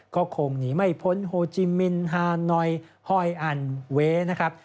ก็คงหนีไม่พ้นโฮจิมินฮานอยหอยอันเวนะครับ